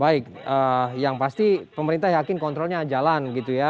baik yang pasti pemerintah yakin kontrolnya jalan gitu ya